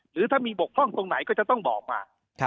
หรือถ้ามีบกพร่องตรงไหนก็จะต้องบอกมา